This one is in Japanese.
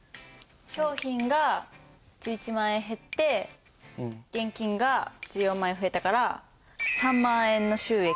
商品が１１万円減って現金が１４万円増えたから３万円の収益。